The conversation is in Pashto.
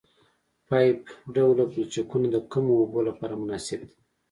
پایپ ډوله پلچکونه د کمو اوبو لپاره مناسب دي